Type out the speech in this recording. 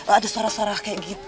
ada suara suara kayak gitu